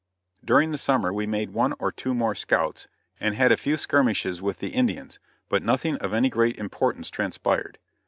During the summer we made one or two more scouts and had a few skirmishes with the Indians: but nothing of any great importance transpired.